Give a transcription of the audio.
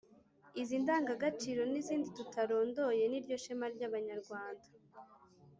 izi ndangagaciro n'izindi tutarondoye, ni ryo shema ry' abanyarwanda,